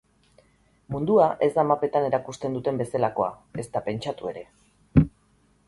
Mundua ez da mapetan erakusten duten bezalakoa, ezta pentsatu ere.